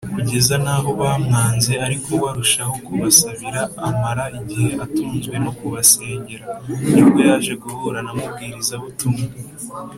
kugeza n’aho bamwanze, ariko we arushaho kubasabira amara igihe atunzwe no kubasengera, nibwo yaje guhura na Mubwirizabutumwa